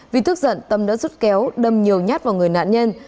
vì thức giận tâm đã rút kéo đâm nhiều nhát vào người nạn nhân